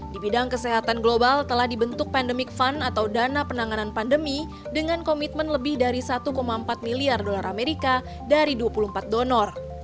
di bidang kesehatan global telah dibentuk pandemic fund atau dana penanganan pandemi dengan komitmen lebih dari satu empat miliar dolar amerika dari dua puluh empat donor